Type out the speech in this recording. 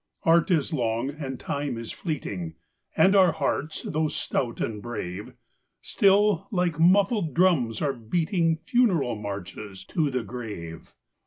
Art is long, and Time is fleeting, And our hearts, though stout and brave, Still, like muffled drums, are beating Funeral marches to the grave.